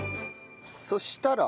そしたら？